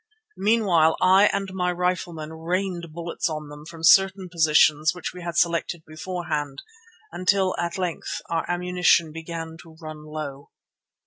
Meanwhile I and my riflemen rained bullets on them from certain positions which we had selected beforehand, until at length our ammunition began to run low.